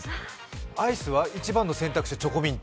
アイスは一番の選択肢はチョコミント？